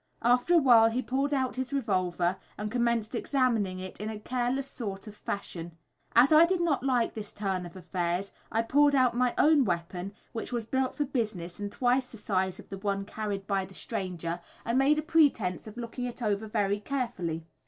After a while he pulled out his revolver and commenced examining it in a careless sort of fashion. As I did not like this turn of affairs, I pulled out my own weapon, which was built for business and twice the size of the one carried by the stranger, and made a pretence of looking it over very carefully.